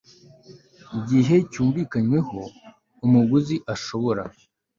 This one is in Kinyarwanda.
gihe cyumvikanyweho umuguzi ashobora